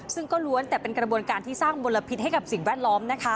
ซึ่งก็ล้วนแต่เป็นกระบวนการที่สร้างมลพิษให้กับสิ่งแวดล้อมนะคะ